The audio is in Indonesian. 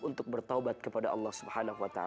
untuk bertaubat kepada allah swt